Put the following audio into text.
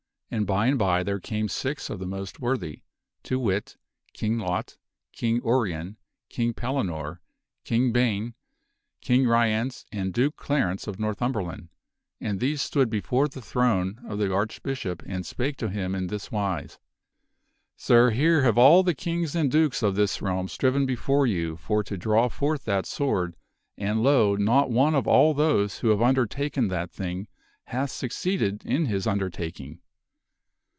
And by and by there came six of the most worthy to wit, King Lot, King Urien, King Pellinore, King Ban, King Ryence, and Duke Clarence of Northumberland and these stood before the throne of the Archbishop and spake to him in this wise: " Sir, here have all the kings and dukes of this realm striven before you for to draw forth that sword, and lo ! not one of all those who have undertaken that thing hath succeeded in his undertak ing.